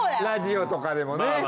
ラジオとかでもね。